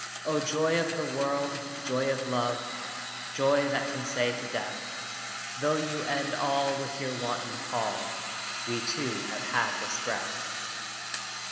O joy of the world! Joy of love, Joy that can say to death, "Tho you end all with your wanton pall, We two have had this breath!"